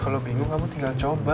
kalau bingung kamu tinggal coba